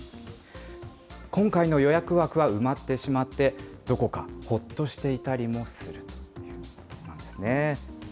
今回の予約枠は埋まってしまって、どこかほっとしていたりもするということなんですね。